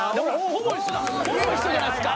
ほぼ一緒じゃないですか。